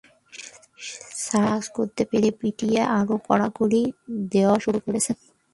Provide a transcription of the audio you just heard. Sir সেটা আঁচ করতে পেরে পিটিতে আরও কড়াকড়ি দেওয়া শুরু করেছেন।